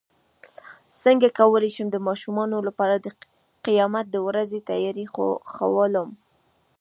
څنګه کولی شم د ماشومانو لپاره د قیامت د ورځې تیاري ښوول